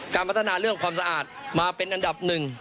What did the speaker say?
การพัฒนาเรื่องความสะอาดมาเป็นอันดับหนึ่ง